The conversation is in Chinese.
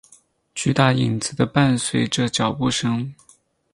巨大影子的伴随着脚步声。